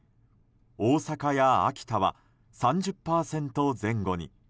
大阪や秋田は３０％前後に。